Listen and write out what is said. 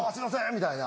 みたいな。